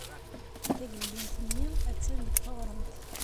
Tageldunt-nni attan deg teɣremt.